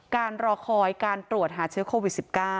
รอคอยการตรวจหาเชื้อโควิด๑๙